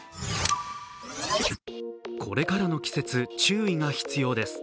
これからの季節、注意が必要です